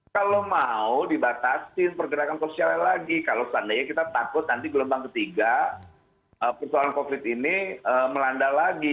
kalau mau dibatasi pergerakan sosialnya lagi kalau seandainya kita takut nanti gelombang ketiga persoalan covid ini melanda lagi